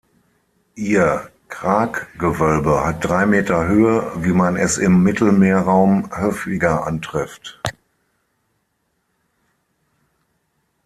Ihr Kraggewölbe hat drei Meter Höhe, wie man es im Mittelmeerraum häufiger antrifft.